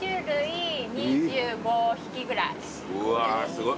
うわすごい。